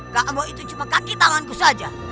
gak mau itu cuma kaki tanganku saja